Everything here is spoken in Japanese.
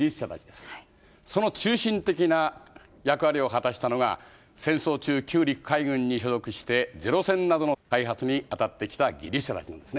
その中心的な役割を果たしたのが戦争中旧陸海軍に所属してゼロ戦などの開発に当たってきた技術者たちなんですね。